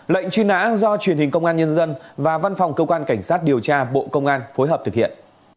lệnh truy nã do truyền hình công an nhân dân và văn phòng cơ quan cảnh sát điều tra bộ công an phối hợp thực hiện